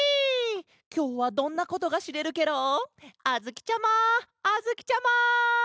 きょうはどんなことがしれるケロ？あづきちゃまあづきちゃま！